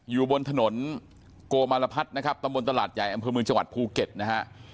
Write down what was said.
อยู่บนถนนโกมารพัฒน์นะครับตำบลตลาดใหญ่อำเภอเมืองจังหวัดภูเก็ตนะฮะ